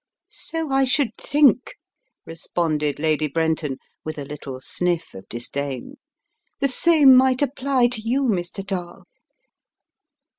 "So I should think," responded Lady Brenton with a little sniff of disdain; "the same might apply to you, Mr. Dall."